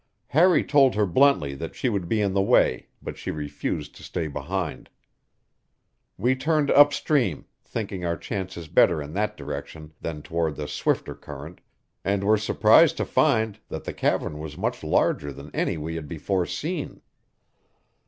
Harry told her bluntly that she would be in the way, but she refused to stay behind. We turned upstream, thinking our chances better in that direction than toward the swifter current, and were surprised to find that the cavern was much larger than any we had before seen.